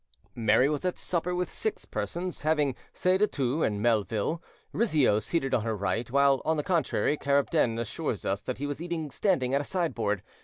Mary was at supper with six persons, having, say de Thou and Melville, Rizzio seated on her right; while, on the contrary, Carapden assures us that he was eating standing at a sideboard.